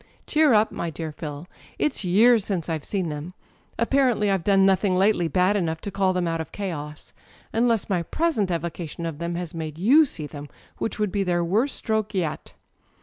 "Cheer up, my dear Phil! It's years since I've seen them â€" apparently I've done nothing lately bad enough to call them out of chaos. Unless my present evocation of them has made you see them; which would be their worst stroke yet!"